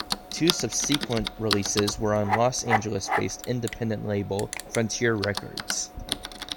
Two subsequent releases were on Los Angeles-based independent label Frontier Records.